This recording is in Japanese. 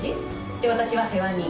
で私は世話人。